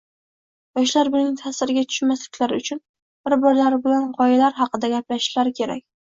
Yoshlar buning taʼsiriga tushmasliklari uchun bir-birlari bilan gʻoyalar haqida gaplashishlari kerak.